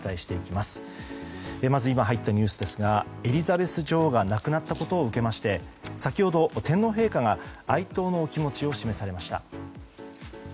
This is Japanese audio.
まず今、入ったニュースですがエリザベス女王が亡くなったことを受けまして先程、天皇陛下が哀悼のお気持ちを示されました。